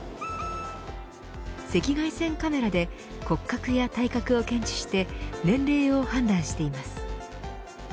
赤外線カメラで骨格や体格を検知して年齢を判断しています。